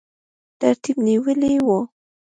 ترتیب نیولی وو.